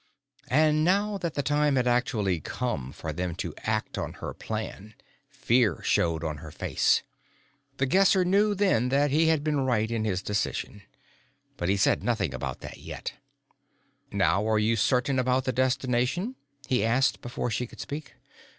And, now that the time had actually come for them to act on her plan, fear showed on her face. The Guesser knew then that he had been right in his decision. But he said nothing about that yet. "Now are you certain about the destination?" he asked before she could speak.